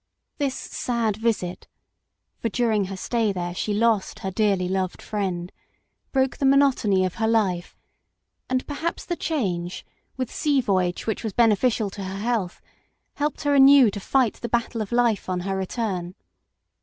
This sad visit for during her stay there she lost her dearly loved friend broke the monotony of her life, and perhaps the change, with sea voyage which was bene ficial to her health, helped her anew to fight the battle of life on her return.